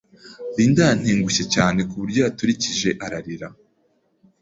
Linda yatengushye cyane ku buryo yaturikishije ararira.